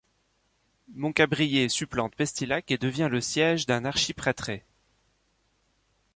Montcabrier supplante Pestilhac et devient le siège d'un archiprêtré.